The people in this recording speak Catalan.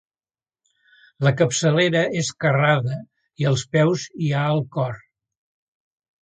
La capçalera és carrada i als peus hi ha el cor.